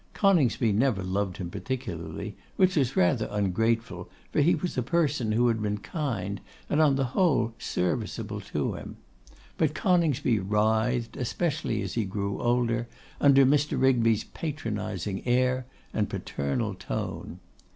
Coningsby never loved him particularly, which was rather ungrateful, for he was a person who had been kind, and, on the whole, serviceable to him; but Coningsby writhed, especially as he grew older, under Mr. Rigby's patronising air and paternal tone.